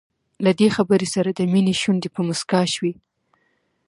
له دې خبرې سره د مينې شونډې په مسکا شوې.